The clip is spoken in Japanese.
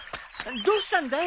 どうしたんだい？